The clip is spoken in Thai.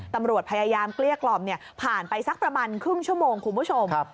ตำรวจพยายามเกลี้ยกล่อมผ่านไปสักประมาณครึ่งชั่วโมงคุณผู้ชม